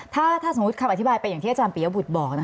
ถ้าสมมุติคำอธิบายเป็นอย่างที่อาจารย์ปียบุตรบอก